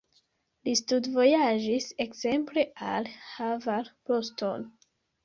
Li studvojaĝis ekzemple al Harvard, Bostono.